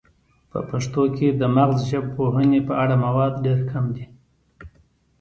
په پښتو کې د مغزژبپوهنې په اړه مواد ډیر کم دي